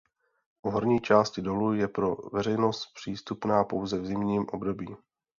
V horní části dolu je pro veřejnost přístupná pouze v zimním období.